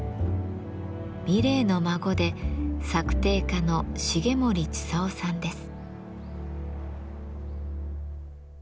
三玲の孫で作庭家の重森千さんです。